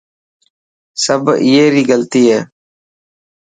سب ائي ري غلطي هي.